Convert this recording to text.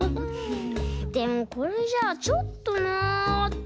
でもこれじゃちょっとなって。